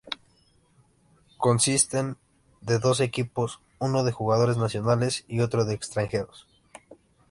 Consisten de dos equipos, uno de jugadores nacionales y otro de extranjeros.